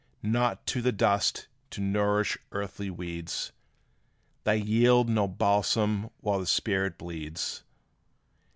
Not to the dust to nourish earthly weeds: They yield no balsam while the spirit bleeds!